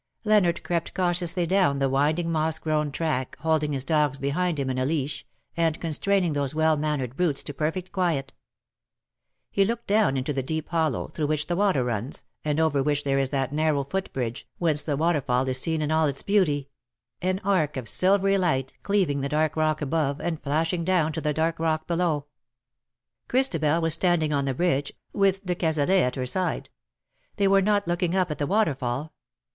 Leonard crept cautiously down the winding moss grown tracks holding his dogs behind him in a leash, and constraining those well mannered brutes to perfect quiet. He looked down into the deep hollow^ through which the water runs^ and over which there is that narrow foot bridge, whence the waterfall is seen in all its beauty — an arc of silvery light cleaving the dark rock above^ and flashing down to the dark rock below. Christabel was standing on the bridge, with de Cazalet at her side. They were not looking up at the waterfall.